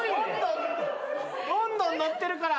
どんどんのってるから。